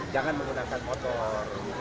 jangan menggunakan motor